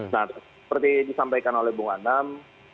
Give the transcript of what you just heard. nah seperti disampaikan oleh bung anam